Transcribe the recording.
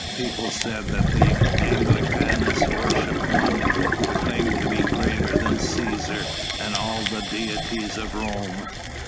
People said that the Anglicanus worshipped one who claimed to be greater than Cæsar and all the deities of Rome.